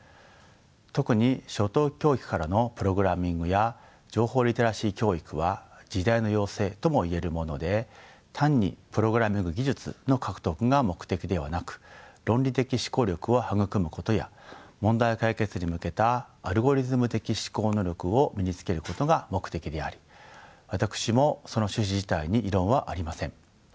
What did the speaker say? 特に初等教育からのプログラミングや情報リテラシー教育は時代の要請とも言えるもので単にプログラミング技術の獲得が目的ではなく論理的思考力を育むことや問題解決に向けたアルゴリズム的思考能力を身につけることが目的であり私もその趣旨自体に異論はありません。